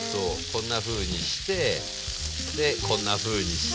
こんなふうにしてでこんなふうにして。